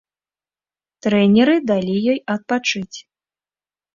Трэнеры далі ёй адпачыць.